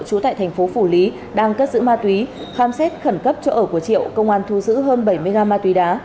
trú tại thành phố phủ lý đang cất giữ ma túy khám xét khẩn cấp chỗ ở của triệu công an thu giữ hơn bảy mươi gam ma túy đá